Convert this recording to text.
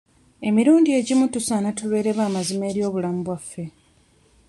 Emirundi egimu tusaana tubeere ba mazima eri obulamu bwaffe?